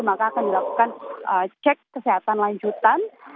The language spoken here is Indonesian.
maka akan dilakukan cek kesehatan lanjutan